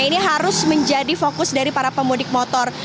ini harus menjadi fokus dari para pemudik motor